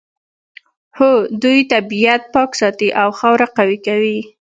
هو دوی طبیعت پاک ساتي او خاوره قوي کوي